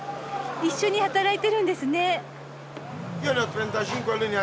一緒に働いてるんですね。